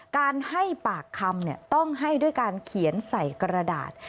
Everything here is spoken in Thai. การให้ปากคำต้องให้ด้วยการเขียนใส่กระดาษ